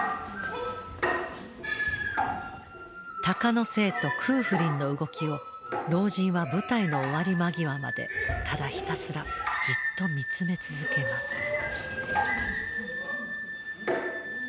鷹の精と空賦鱗の動きを老人は舞台の終わり間際までただひたすらじっと見つめ続けます。